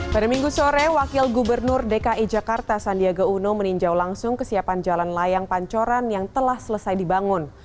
pada minggu sore wakil gubernur dki jakarta sandiaga uno meninjau langsung kesiapan jalan layang pancoran yang telah selesai dibangun